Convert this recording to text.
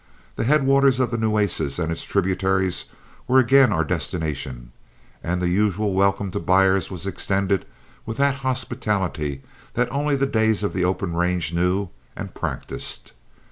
The headwaters of the Nueces and its tributaries were again our destination, and the usual welcome to buyers was extended with that hospitality that only the days of the open range knew and practiced.